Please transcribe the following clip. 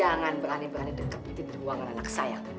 jangan berani berani deketin di ruangan anak saya